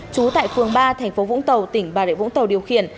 trú tại phường ba tp vũng tàu tỉnh bà rịa vũng tàu điều khiển